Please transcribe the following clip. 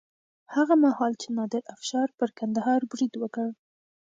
هغه مهال چې نادر افشار پر کندهار برید وکړ.